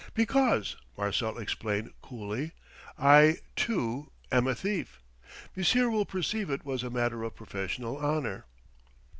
"Because," Marcel explained coolly, "I, too, am a thief. Monsieur will perceive it was a matter of professional honour."